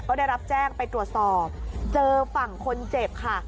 ก็ได้รับแจ้งไปตรวจสอบเจอฝั่งคนเจ็บค่ะ